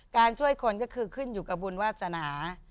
การช่วยคนก็คือขึ้นอยู่กับบุญวาสนา